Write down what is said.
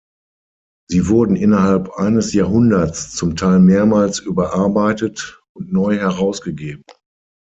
Sie wurden innerhalb eines Jahrhunderts zum Teil mehrmals überarbeitet und neu herausgegeben.